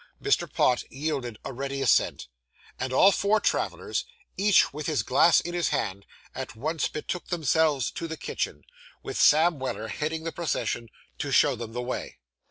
Mr. Pott yielded a ready assent; and all four travellers, each with his glass in his hand, at once betook themselves to the kitchen, with Sam Weller heading the procession to show them the way.